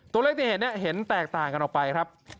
ตัวเลขที่เห็นเห็นแตกต่างกันออกไปครับ